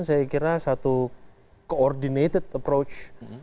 saya kira satu coordinated approach